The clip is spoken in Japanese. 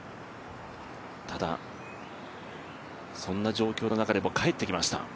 ただ、そんな状況の中でも帰ってきました。